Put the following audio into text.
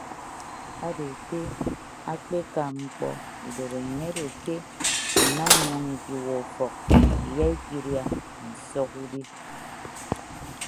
Ado ete akpeka mkpọ idorenyin odo ke ima inyọñ ikiwuọ ufọk iya ikịdia nsọk ubi.